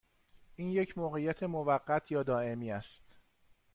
این یک موقعیت موقت یا دائمی است؟